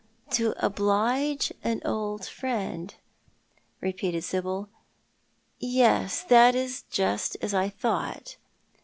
" To oblige an old friend," repeated Sibyl ;" yes, that is just as I thought.